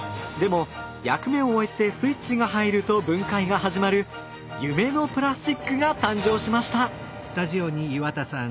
でも役目を終えてスイッチが入ると分解が始まる夢のプラスチックが誕生しました！